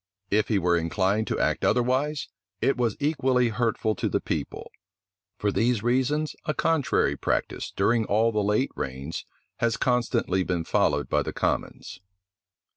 If he were inclined to act otherwise, it was equally hurtful to the people. For these reasons, a contrary practice, during all the late reigns, has constantly been followed by the commons.